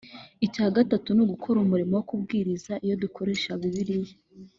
icya gatatu ni ugukora umurimo wo kubwiriza iyo dukoresha bibiliya